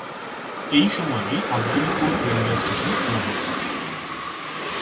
এই সময়েই Abdulpur railway station খোলা হয়েছিল।